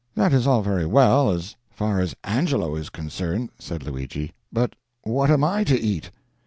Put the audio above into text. "That is all very well, as far as Angelo is concerned," said Luigi, "but what am I to eat?"